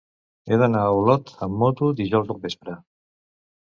He d'anar a Olot amb moto dijous al vespre.